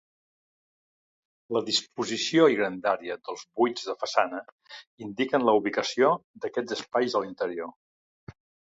La disposició i grandària dels buits de façana indiquen la ubicació d'aquests espais a l'interior.